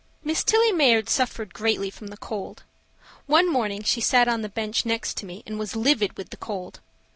MISS TILLIE MAYARD suffered greatly from cold. One morning she sat on the bench next to me and was livid with the cold.